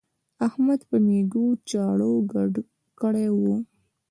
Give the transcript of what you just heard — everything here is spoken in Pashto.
احمد په مېږو چړاو ګډ کړی وو.